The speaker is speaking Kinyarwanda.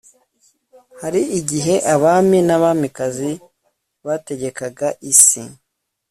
hari igihe abami n'abamikazi bategekaga isi